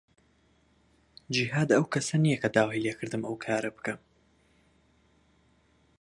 جیهاد ئەو کەسە نییە کە داوای لێ کردم ئەو کارە بکەم.